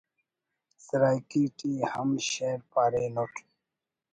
سرائیکی ٹی ہم شئیر پارینٹ